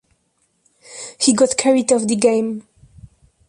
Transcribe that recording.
He got carried off the game.